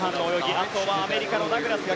あとはアメリカのダグラスが。